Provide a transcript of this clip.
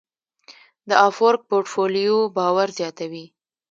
د افورک پورټفولیو باور زیاتوي.